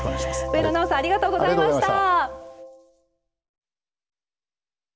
上野直哉さんありがとうございました。